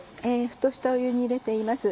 沸騰した湯に入れています。